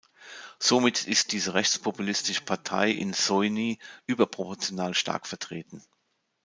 Somit ist diese rechtspopulistische Partei in Soini überproportional stark vertreten.